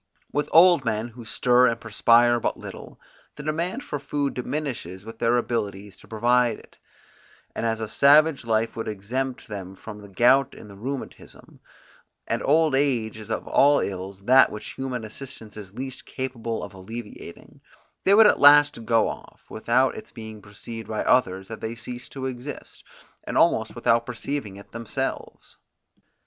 With old men, who stir and perspire but little, the demand for food diminishes with their abilities to provide it; and as a savage life would exempt them from the gout and the rheumatism, and old age is of all ills that which human assistance is least capable of alleviating, they would at last go off, without its being perceived by others that they ceased to exist, and almost without perceiving it themselves.